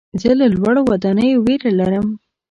زه له لوړو ودانیو ویره لرم.